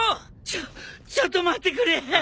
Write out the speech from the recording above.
ちょっちょっと待ってくれ。